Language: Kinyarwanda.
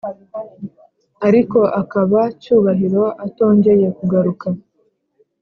ariko akaba cyubahiro atongeye kugaruka"